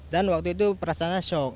dan waktu itu perasaannya shock